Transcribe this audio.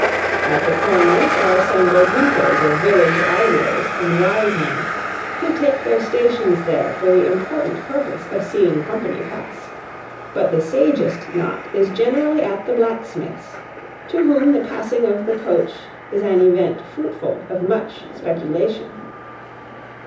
At the corners are assembled juntas of village idlers and wise men, who take their stations there for the important purpose of seeing company pass; but the sagest knot is generally at the blacksmith's, to whom the passing of the coach is an event fruitful of much speculation.